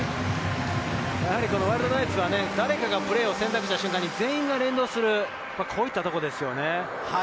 やはりワイルドナイツは誰かがプレーを選択した瞬間に全員が連動する、こういったところですよね。